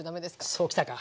そう来たか！